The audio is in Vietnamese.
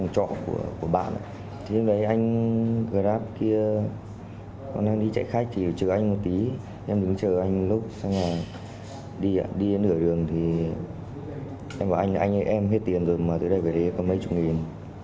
trường đi đến đường thì anh và anh hết tiền rồi mà từ đây về đây cũng có mấy chục nghìn